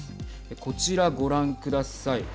こちら、ご覧ください。